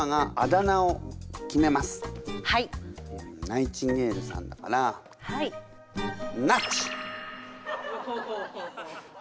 ナイチンゲールさんだからなっち？